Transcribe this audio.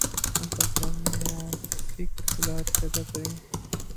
ہم پاکستان میں موافق حالات پیدا کریں